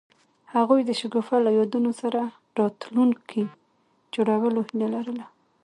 هغوی د شګوفه له یادونو سره راتلونکی جوړولو هیله لرله.